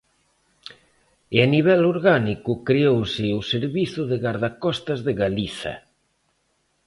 E a nivel orgánico creouse o Servizo de Gardacostas de Galiza.